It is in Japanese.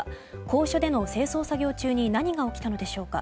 高所での清掃作業中に何が起きたのでしょうか。